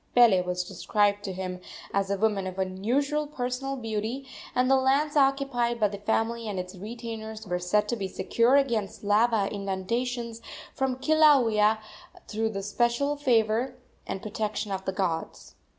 Pele was described to him as a woman of unusual personal beauty, and the lands occupied by the family and its retainers were said to be secure against lava inundations from Kilauea through the especial favor and protection of the gods.